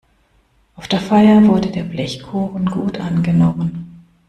Auf der Feier wurde der Blechkuchen gut angenommen.